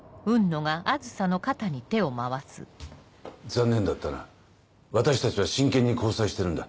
残念だったな私たちは真剣に交際してるんだ。